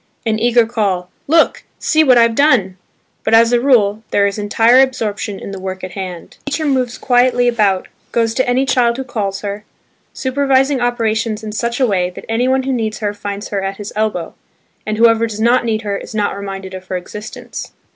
an eager call, "Look! see what I've done." But as a rule, there is entire absorption in the work in hand. The teacher moves quietly about, goes to any child who calls her, supervising operations in such a way that any one who needs her finds her at his elbow, and whoever does not need her is not reminded of her existence.